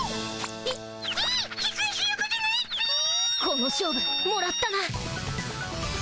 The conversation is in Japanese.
この勝負もらったな。